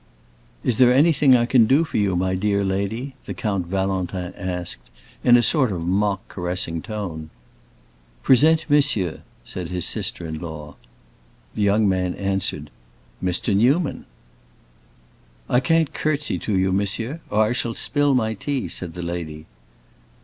"Is there anything I can do for you, my dear lady?" the Count Valentin asked, in a sort of mock caressing tone. "Present monsieur," said his sister in law. The young man answered, "Mr. Newman!" "I can't courtesy to you, monsieur, or I shall spill my tea," said the lady.